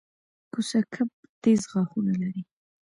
کوسه کب تېز غاښونه لري